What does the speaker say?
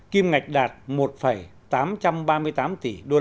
kim ngạch đạt một tám trăm ba mươi tám tỷ usd